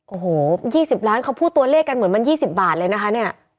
โอ้โห๒๐ล้านเขาพูดตัวเลขกันเหมือนมัน๒๐บาทเลยนะคะเนี่ย